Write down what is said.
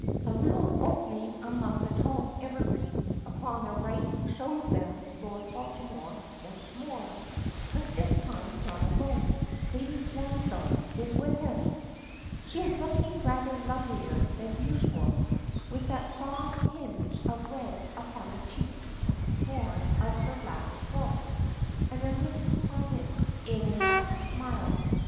A little opening among the tall evergreens upon their right shows them Lord Baltimore once more, but this time not alone. Lady Swansdown is with him. She is looking rather lovelier than usual, with that soft tinge of red upon her cheeks born of her last waltz, and her lips parted in a happy smile.